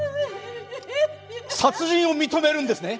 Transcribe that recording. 殺人を認めるんですね？